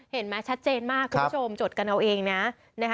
เห็นไหมชัดเจนมากคุณผู้ชมจดกันเอาเองนะ